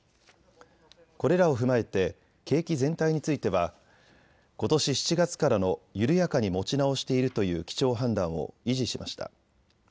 これらを踏まえて景気全体についてはことし７月からの緩やかに持ち直しているという基調判断を維持しました。